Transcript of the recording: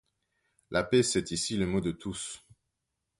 La paix, c'est ici le mot de tous.